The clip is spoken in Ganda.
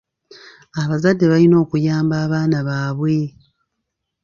Abazadde balina okuyamba abaana baabwe.